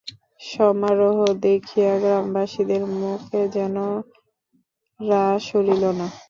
সমারোহ দেখিয়া গ্রামবাসীদের মুখে যেন রা সরিল না।